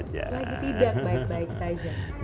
lagi tidak baik baik saja